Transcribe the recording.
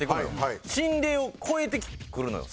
心霊を超えてくるのよ